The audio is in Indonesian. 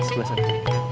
kasih gue satu